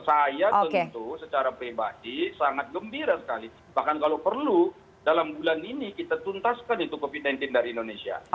saya tentu secara pribadi sangat gembira sekali bahkan kalau perlu dalam bulan ini kita tuntaskan itu covid sembilan belas dari indonesia